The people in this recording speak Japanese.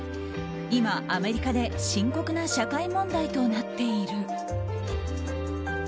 今、アメリカで深刻な社会問題となっている。